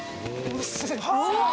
うわ！